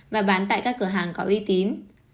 và bán tại các cửa hàng có uy tín